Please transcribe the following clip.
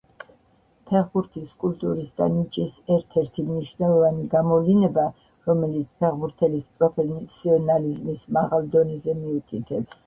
ფეხბურთის კულტურის და ნიჭის ერთ-ერთი მნიშვნელოვანი გამოვლინება, რომელიც ფეხბურთელის პროფესიონალიზმის მაღალ დონეზე მიუთითებს.